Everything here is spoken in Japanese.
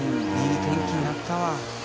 いい天気になったわ。